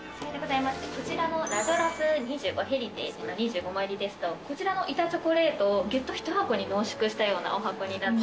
こちらのラジョラス２５ヘリテージの２５枚入りですとこちらの板チョコレートをギュッと一箱に濃縮したようなお箱になって。